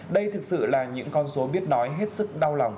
đây thực sự là những con số biết nói hết sức đau lòng